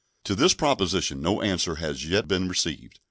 To this proposition no answer has as yet been received.